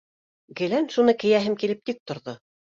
Гелән шуны кейәһем килеп тик торҙо.